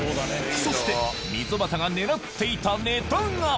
そして溝端が狙っていたネタが！